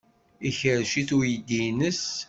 Ikerrec-it uydi-nnes.